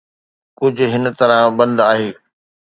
ڪجهه هن طرح بند آهي